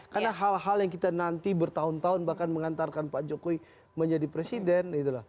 karena hal hal yang kita nanti bertahun tahun bahkan mengantarkan pak jokowi menjadi presiden